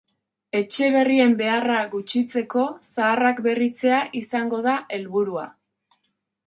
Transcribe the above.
Etxe berrien beharra gutxitzeko, zaharrak berritzea izango da helburua.